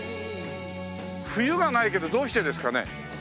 冬がないけどどうしてですかね？